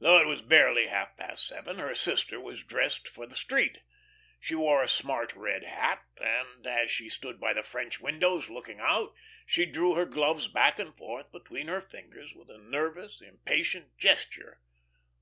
Though it was barely half past seven, her sister was dressed for the street. She wore a smart red hat, and as she stood by the French windows, looking out, she drew her gloves back and forth between her fingers, with a nervous, impatient gesture.